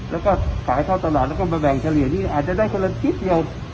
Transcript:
แล้วก็ขายเข้าตลาดแล้วก็มาแบ่งเฉลี่ยนี่อาจจะได้คนละทิศเดียว